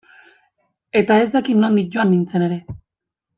Eta ez dakit nondik joan nintzen ere.